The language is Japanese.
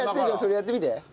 じゃあそれやってみて。